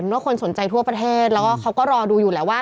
ว่าคนสนใจทั่วประเทศแล้วก็เขาก็รอดูอยู่แหละว่า